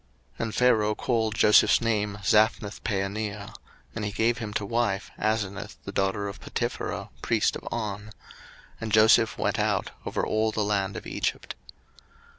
01:041:045 And Pharaoh called Joseph's name Zaphnathpaaneah; and he gave him to wife Asenath the daughter of Potipherah priest of On. And Joseph went out over all the land of Egypt.